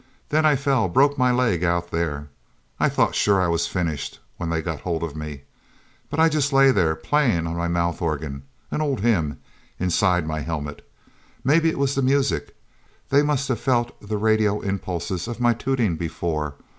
Then I fell broke my leg out there. I thought sure I was finished when they got hold of me. But I just lay there, playing on my mouth organ an old hymn inside my helmet. Maybe it was the music they must have felt the radio impulses of my tooting before.